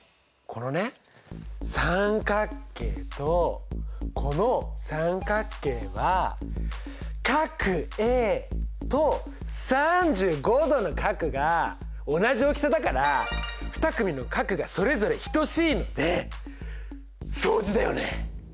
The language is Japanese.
このね三角形とこの三角形はＡと３５度の角が同じ大きさだから２組の角がそれぞれ等しいので相似だよね。